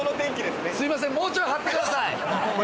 すいません、もうちょい張ってください。